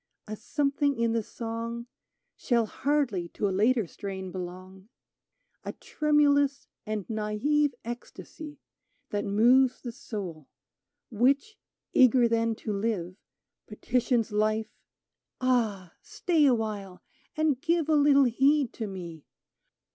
A something in the song Shall hardly to a later strain belong — A tremulous and nalVe ecstasy That moves the soul ; which, eager then to live, Petitions Life :" Ah, stay awhile, and give A little heed to me